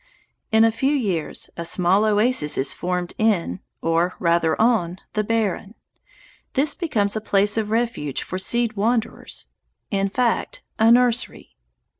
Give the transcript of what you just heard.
In a few years a small oasis is formed in, or rather on, the barren. This becomes a place of refuge for seed wanderers, in fact, a nursery.